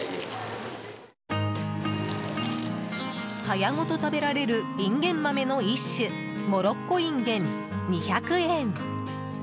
さやごと食べられるインゲン豆の一種モロッコいんげん、２００円。